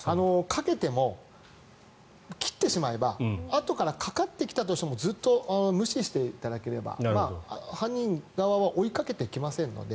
かけても切ってしまえばあとからかかってきたとしてもずっと無視していただければ犯人側は追いかけてきませんので。